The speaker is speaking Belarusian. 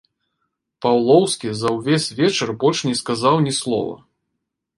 Паўлоўскі за ўвесь вечар больш не сказаў ні слова.